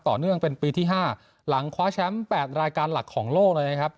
ต่อเนื่องเป็นปีที่๕หลังคว้าแชมป์๘รายการหลักของโลกเลยนะครับ